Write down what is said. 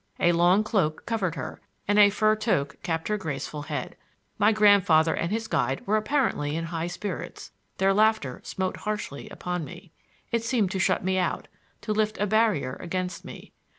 A long cloak covered her, and a fur toque capped her graceful head. My grandfather and his guide were apparently in high spirits. Their laughter smote harshly upon me. It seemed to shut me out,—to lift a barrier against me.